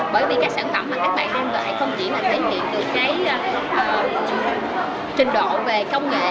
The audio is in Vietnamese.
bởi vì các sản phẩm mà các bạn mang lại không chỉ là thể hiện được cái trình độ về công nghệ